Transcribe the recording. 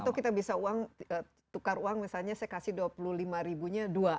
atau kita bisa uang tukar uang misalnya saya kasih dua puluh lima ribu nya dua